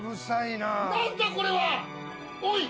何だこれは！おい！